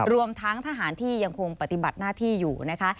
รวมทั้งทหารที่ยังคงปฏิบัติหน้าที่อยู่นะคะ